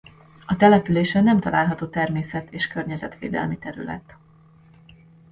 A településen nem található természet- és környezetvédelmi terület.